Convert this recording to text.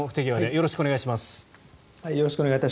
よろしくお願いします。